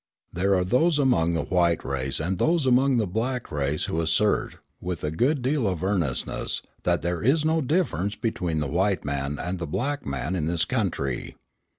There are those among the white race and those among the black race who assert, with a good deal of earnestness, that there is no difference between the white man and the black man in this country.